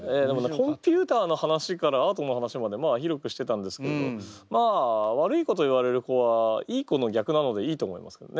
コンピューターの話からアートの話まで広くしてたんですけれどまあ悪い子と言われる子はいい子の逆なのでいいと思いますけどね。